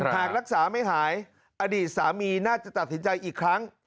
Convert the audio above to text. หากรักษาไม่หายอดีตสามีน่าจะตัดสินใจอีกครั้ง